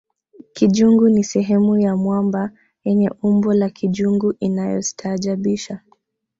kijungu ni sehemu ya mwamba yenye umbo la kijungu inayostaajabisha